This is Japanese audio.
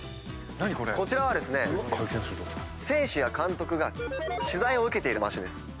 こちらは選手や監督が取材を受けている場所です。